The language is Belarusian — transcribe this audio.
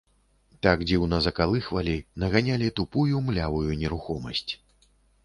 Так дзіўна закалыхвалі, наганялі тупую, млявую нерухомасць.